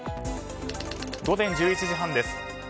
午前１１時半です。